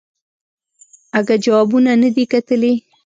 اگه جوابونه ندي کتلي.